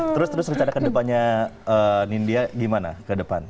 terus terus rencana ke depannya nindi ya gimana ke depan